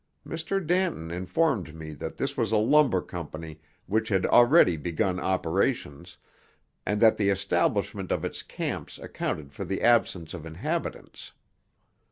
M. Danton informed me that this was a lumber company which had already begun operations, and that the establishment of its camps accounted for the absence of inhabitants.